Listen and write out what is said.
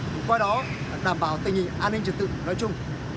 để qua đó đảm bảo tình hình an ninh trật tự nói chung